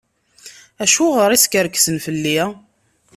Acuɣer i skerksen fell-i?